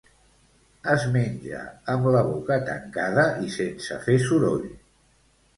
Es menja amb la boca tancada i sense fer soroll